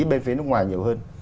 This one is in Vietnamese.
bên phía nước ngoài nhiều hơn